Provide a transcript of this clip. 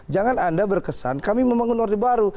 jangan anda berkesan kami membangun orde baru